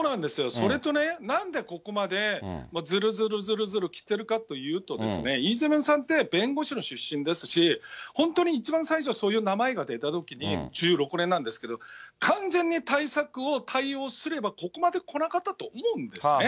それとね、なんでここまでずるずるずるずるきてるかというとですね、イ・ジェミョンさんって弁護士の出身ですし、本当に一番最初、そういう名前が出たときに、１６年なんですけど、完全に対策を対応すればここまでこなかったと思うんですね。